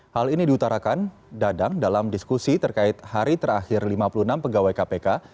hal ini diutarakan dadang dalam diskusi terkait hari terakhir lima puluh enam pegawai kpk